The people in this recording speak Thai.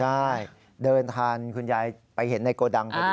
ใช่เดินทานคุณยายไปเห็นในโกดังพอดี